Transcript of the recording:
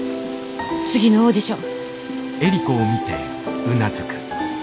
次のオーディション。